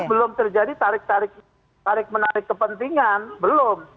belum terjadi tarik menarik kepentingan belum